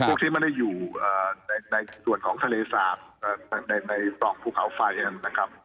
พวกที่ไม่ได้อยู่ในส่วนของทะเลสาบในตลกภูเขาไฟนะครับ